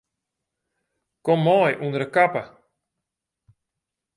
Kom mei ûnder de kappe.